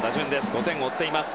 ５点を追っています。